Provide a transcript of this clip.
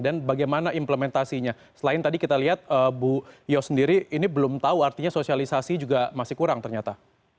dan bagaimana implementasinya selain tadi kita lihat bu yos sendiri ini belum tahu artinya sosialisasi juga masih kurang ternyata